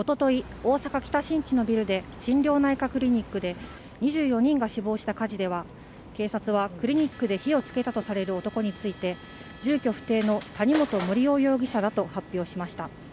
大阪・北新地のビルの心療内科クリニックで２４人が死亡した火事では、警察はクリニックで火をつけたとされる男について住居不定の谷本盛雄容疑者だと発表しました。